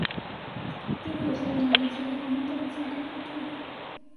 Tiene su sede en la iglesia del convento de San Cayetano.